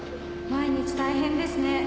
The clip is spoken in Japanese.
「毎日大変ですね」